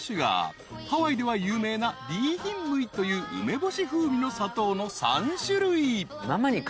［ハワイでは有名なリーヒンムイという梅干し風味の砂糖の３種類］